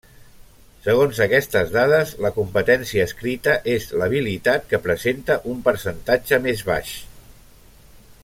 Segons aquestes dades, la competència escrita és l'habilitat que presenta un percentatge més baix.